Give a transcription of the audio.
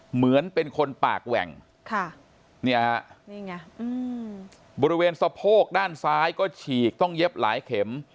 เหมือนเป็นคนปากแหว่งนี่ไงบริเวณสะโพกด้านซ้ายก็ฉีกต้องเย็บหลายเข็ม